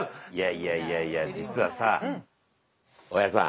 いやいやいや実はさ大家さん。